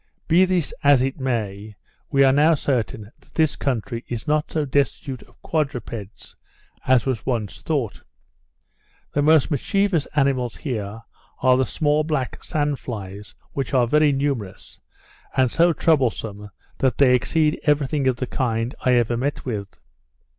Be this as it may, we are now certain that this country is not so destitute of quadrupeds as was once thought. The most mischievous animals here are the small black sand flies, which are very numerous, and so troublesome, that they exceed every thing of the kind I ever met with.